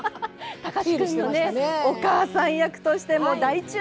貴司君のお母さん役としても大注目です。